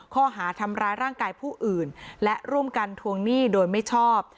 ข้อหาทำร้ายร่างกายผู้อื่นและร่วมกันทวงหนี้โดยไม่ชอบ